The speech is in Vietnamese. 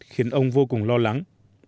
khiến ông vô cùng lo lắng